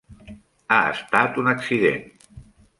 Ha estat un accident.